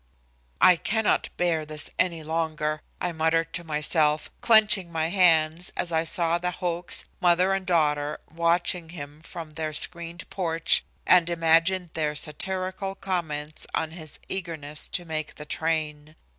"I cannot bear this any longer," I muttered to myself, clenching my hands, as I saw the Hochs, mother and daughter, watching him from their screened porch, and imagined their satirical comments on his eagerness to make the train.